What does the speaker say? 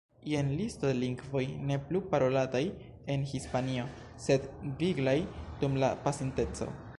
Jen listo de lingvoj ne plu parolataj en Hispanio, sed viglaj dum la pasinteco.